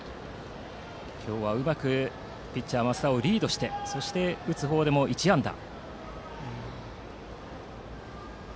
今日はうまくピッチャーの増田をリードしてそして打つ方でも１安打。